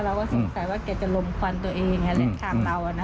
เราก็สงสัยว่าแกจะลมควันตัวเองและทางเรา